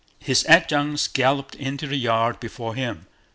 His adjutants galloped into the yard before him.